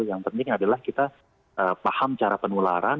yang penting adalah kita paham cara penularan